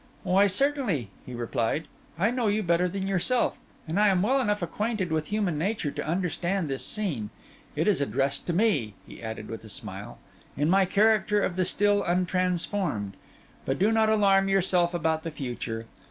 'Why, certainly,' he replied. 'I know you better than yourself; and I am well enough acquainted with human nature to understand this scene. It is addressed to me,' he added with a smile, 'in my character of the still untransformed. But do not alarm yourself about the future.